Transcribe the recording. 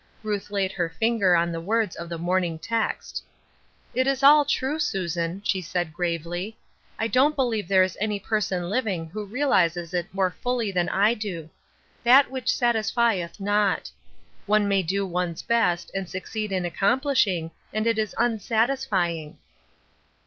Ruth laid her finger on the words of the morn ing text :" It is all true, Susan," she said gravely. " I don't believe there is any person living who realizes it more fully than I do. ' That which satisfieth not.' One may do one's best, and succeed in accomplishing, and it is unsatisfying."